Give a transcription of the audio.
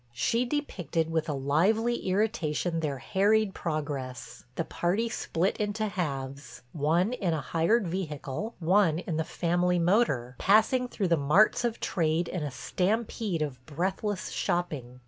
She depicted with a lively irritation their harried progress, the party split into halves, one in a hired vehicle, one in the family motor, passing through the marts of trade in a stampede of breathless shopping.